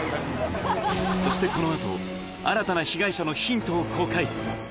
そしてこのあと、新たな被害者のヒントを公開。